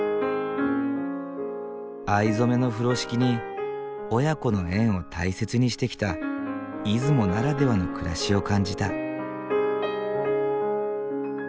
藍染めの風呂敷に親子の縁を大切にしてきた出雲ならではの暮らしを感じた。